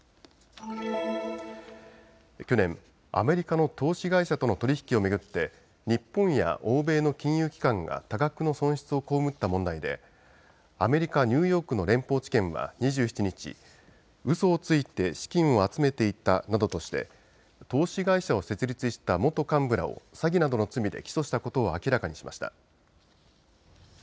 去年、アメリカの投資会社との取り引きを巡って日本や欧米の金融機関が多額の損失を被った問題でアメリカ・ニューヨークの連邦地検は２７日、うそをついて資金を集めていたなどとして投資会社を設立した元幹部らを詐欺などの罪で起訴したことを明らかにしました。